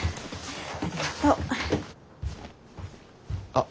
あっ。